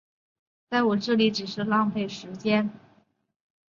在这里只是浪费时间